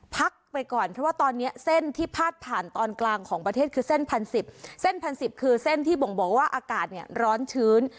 พักไปก่อนเพราะว่าตอนนี้เส้นที่พาดผ่านตอนกลางของประเทศคือเส้นพันสิบเส้นพันสิบคือเส้นที่บ่งบอกว่าอากาศเนี่ยร้อนชื้น